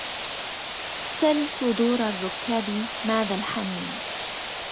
سل صدور الركاب ماذا الحنين